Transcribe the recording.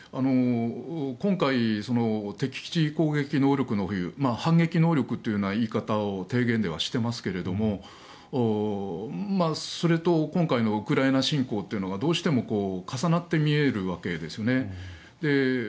今回、敵基地攻撃能力反撃能力という言い方を提言ではしていますがそれと今回のウクライナ侵攻というのがどうしても重なって見えるわけですよね。